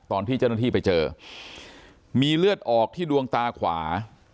ตอนที่เจ้าหน้าที่ไปเจอมีเลือดออกที่ดวงตาขวา